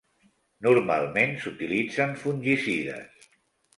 Normalment s’utilitzen fungicides.